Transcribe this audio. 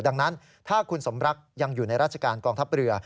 ดังนั้นถ้าคุณสมรักยังอยู่ในราชการกองทัพเรือ